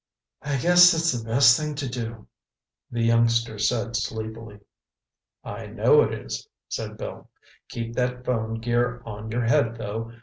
"I guess that's the best thing to do," the youngster said sleepily. "I know it is," said Bill. "Keep that phone gear on your head, though.